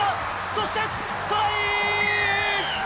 そしてトライ！